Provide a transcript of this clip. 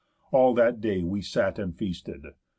All that day We sat and feasted.